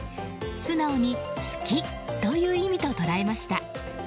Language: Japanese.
素直に好きという意味と捉えました。